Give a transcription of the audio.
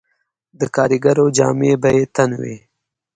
د کاریګرو جامې به یې تن وې